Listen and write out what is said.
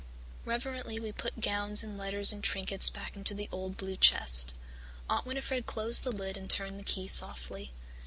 Reverently we put gowns and letters and trinkets back into the old blue chest. Aunt Winnifred closed the lid and turned the key softly.